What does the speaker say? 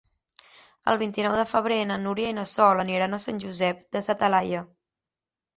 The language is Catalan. El vint-i-nou de febrer na Núria i na Sol aniran a Sant Josep de sa Talaia.